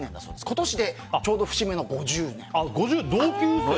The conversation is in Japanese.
今年でちょうど節目の５０年。